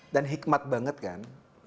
dan hikmat banget kan